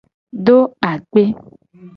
Do akpe.